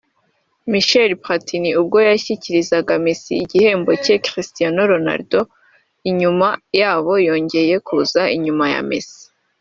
Michel Platini ubwo yashyikirizaga Messi igihembo cye(Cristiano Ronaldo inyuma yabo yongeye kuza inyuma ya Messi)